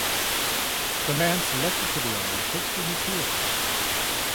The man selected for the honor takes to his heels.